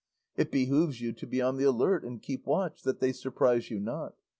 It behoves you to be on the alert and keep watch, that they surprise you not.